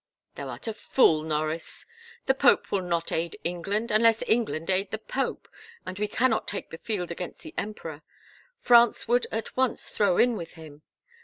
" Thou art a fool, Norris. The pope will not aid Eng land unless England aid the pope, and we cannot take the field against the emperor. France would at once throw in with him.